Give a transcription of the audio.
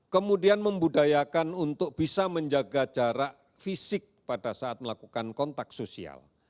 kemudian membudayakan untuk bisa menjaga jarak fisik pada saat melakukan kontak sosial